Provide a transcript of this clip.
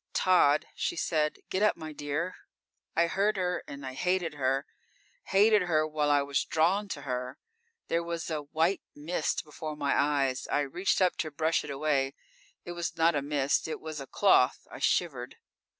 _ _"Tod," she said, "Get up, my dear." I heard Her and I hated Her. Hated Her while I was drawn to Her. There was a white mist before my eyes. I reached up to brush it away. It was not a mist; it was a cloth. I shivered.